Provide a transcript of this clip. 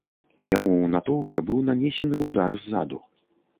Яму у натоўпе быў нанесены ўдар ззаду.